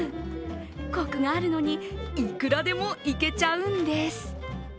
コクがあるのにいくらでもいけちゃうんです。